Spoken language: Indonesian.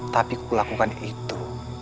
tapi kulakukan itu